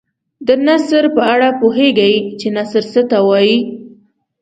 د نثر په اړه پوهیږئ چې نثر څه ته وايي.